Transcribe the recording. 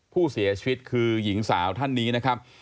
ผู้เสียชีวิตคือหญิงสาวท่านนี้นะครับ